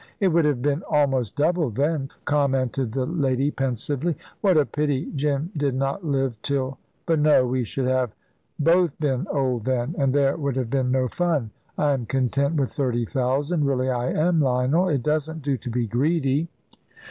"It would have been almost double then," commented the lady, pensively. "What a pity Jim did not live till But no; we should have both been old then, and there would have been no fun. I am content with thirty thousand really I am, Lionel. It doesn't do to be greedy."